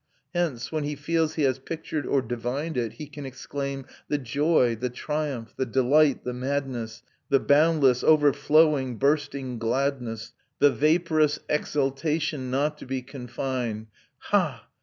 Hence, when he feels he has pictured or divined it, he can exclaim: "The joy, the triumph, the delight, the madness, The boundless, overflowing, bursting gladness, The vaporous exultation, not to be confined! Ha!